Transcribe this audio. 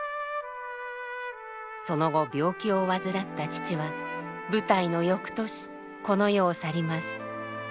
その後病気を患った父は舞台の翌年この世を去ります。